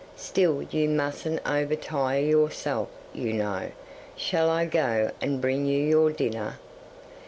"Still you mustn't overtire yourself, you know. Shall I go and bring you your dinner?"